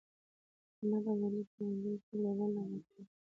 احمد او علي په لانجو کې یو د بل نه بتر دي.